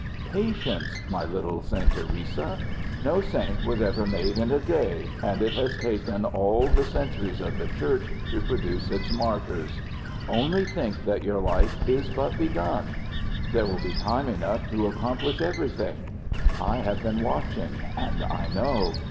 Patience, my little St. Theresa! No saint was ever made in a day, and it has taken all the centuries of the Church to produce its martyrs. Only think that your life is but begun; there will be time enough to accomplish everything. I have been watching, and I know.